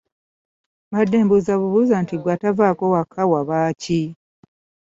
Mbadde mbuuza bubuuza nti ggwe atavaako waka wabaaki?